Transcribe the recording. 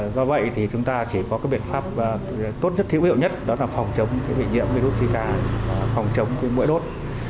do vậy thì chúng ta chỉ có cái biện pháp tốt nhất thiếu hiệu nhất đó là phòng chống cái bị nhiễm virus zika phòng chống cái mũi đốt